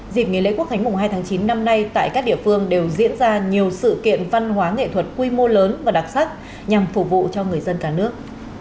dịp nghỉ lễ quốc khánh mùng hai tháng chín năm nay tại các địa phương đều diễn ra nhiều sự kiện văn hóa nghệ thuật quy mô lớn và đặc sắc nhằm phục vụ cho người dân cả nước